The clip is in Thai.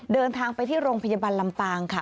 เดินทางไปที่โรงพยาบาลลำปางค่ะ